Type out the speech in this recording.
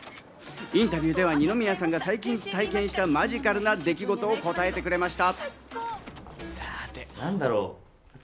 インタビューでは二宮さんが最近体験したマジカルな出来事を答えてくれました。